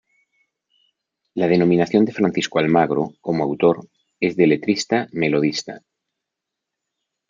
La denominación de Francisco Almagro, como autor, es de letrista-melodista.